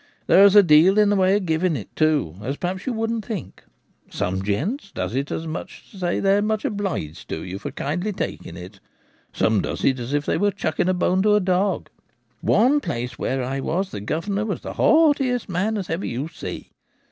There's a deal in the way of giv ing it too, as perhaps you wouldn't think. Some gents does it as much as to say they're much obliged to you for kindly taking it Some does it as if they were chucking a bone to a dog. One place where I was, the governor were the haughtiest man as ever you see.